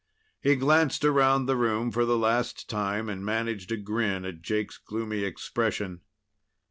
He glanced around the room for the last time, and managed a grin at Jake's gloomy expression.